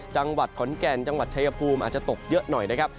จังหวัดขอนแก่นจังหวัดชายภูมิอาจจะตกเยอะหน่อยนะครับ